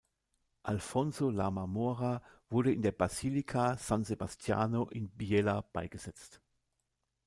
Alfonso La Marmora wurde in der Basilica San Sebastiano in Biella beigesetzt.